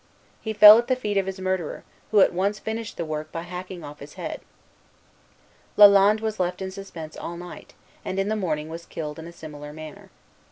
He fell at the feet of his murderer, who at once finished the work by hacking off his head. Lalande was left in suspense all night, and in the morning was killed in a similar manner.